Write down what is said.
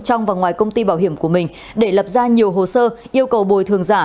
trong và ngoài công ty bảo hiểm của mình để lập ra nhiều hồ sơ yêu cầu bồi thường giả